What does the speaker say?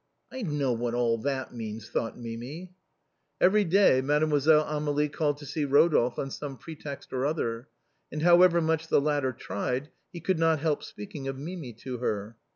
" I know what all that means," thought Mimi. Every day Mademoiselle Amélie called to see Rodolphe on some pretext or other, and however much the latter tried he could not help speaking of Mimi to her.